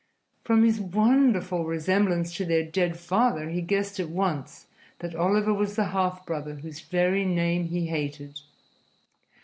From his wonderful resemblance to their dead father, he guessed at once that Oliver was the half brother whose very name he hated.